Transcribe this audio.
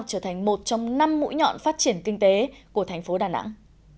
trở thành một trong năm mũi nhọn phát triển kinh tế của thành phố đà nẵng